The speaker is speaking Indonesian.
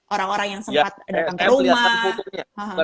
orang orang yang sempat